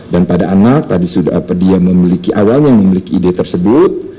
dan pada anak tadi sudah apa dia memiliki awalnya memiliki ide tersebut